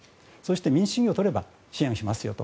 民主主義をとれば支援しますよと。